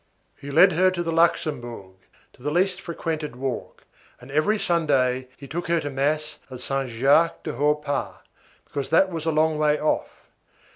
He led her to the Luxembourg, to the least frequented walk, and every Sunday he took her to mass at Saint Jacques du Haut Pas, because that was a long way off.